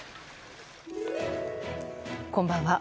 こんばんは。